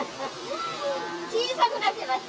小さくなってます。